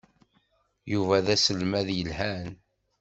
Yuba d aselmad yelhan.